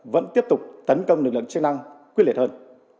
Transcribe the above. vẫn tiếp tục tấn công lực lượng chức năng quyết liệt hơn